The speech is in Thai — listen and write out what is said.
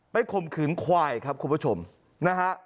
ข่มขืนควายครับคุณผู้ชมนะฮะ